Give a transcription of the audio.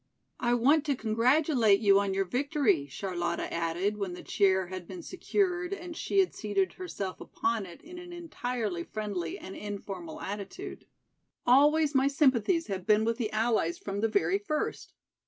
"I want to congratulate you on your victory," Charlotta added, when the chair had been secured and she had seated herself upon it in an entirely friendly and informal attitude. "Always my sympathies have been with the allies from the very first.